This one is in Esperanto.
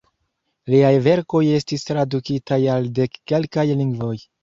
Liaj verkoj estis tradukitaj al dek kelkaj lingvoj.